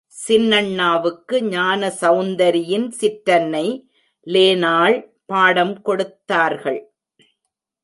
சின்னண்ணாவுக்கு ஞானசெளந்தரியின் சிற்றன்னை லேனாள் பாடம் கொடுத்தார்கள்.